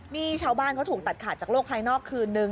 นี่ชาวบ้านเขาถูกตัดขาดจากโลกภายนอกคืนนึง